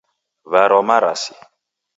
Warwa marasi.